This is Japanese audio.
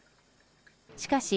しかし、